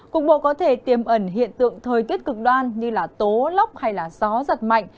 cục bộ có thể tiềm ẩn hiện tượng thời tiết cực đoan như tố lốc hay gió giật mạnh